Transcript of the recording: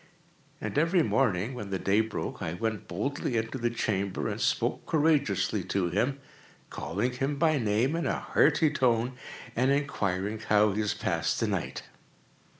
And every morning, when the day broke, I went boldly into the chamber, and spoke courageously to him, calling him by name in a hearty tone, and inquiring how he has passed the night.